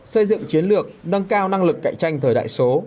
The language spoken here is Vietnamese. xây dựng chiến lược nâng cao năng lực cạnh tranh thời đại số